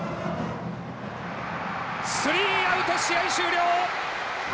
スリーアウト試合終了！